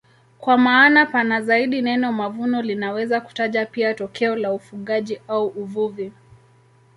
Kwa maana pana zaidi neno mavuno linaweza kutaja pia tokeo la ufugaji au uvuvi.